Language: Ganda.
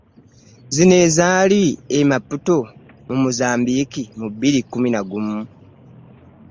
Zino ezaali e Maputo mu Mozambique mu bbiri kkumi na gumu